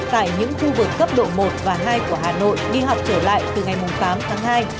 tại những khu vực cấp độ một và hai của hà nội đi học trở lại từ ngày tám tháng hai